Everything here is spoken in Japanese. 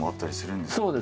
そうですね。